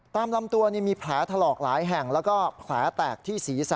ตามลำตัวมีแผลถลอกหลายแห่งแล้วก็แผลแตกที่ศีรษะ